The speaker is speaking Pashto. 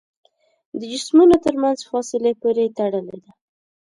د جسمونو تر منځ فاصلې پورې تړلې ده.